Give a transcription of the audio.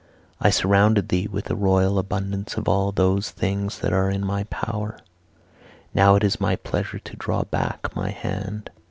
I surrounded thee with a royal abundance of all those things that are in my power. Now it is my pleasure to draw back my hand.